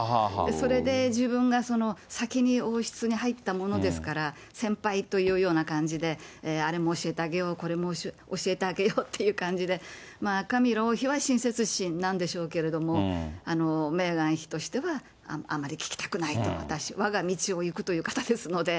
それで、自分が先に王室に入ったものですから、先輩というような感じで、あれも教えてあげよう、これも教えてあげようっていう感じで、カミラ王妃は親切心なんでしょうけれども、メーガン妃としてはあんまり聞きたくないと、わが道を行くという方ですので、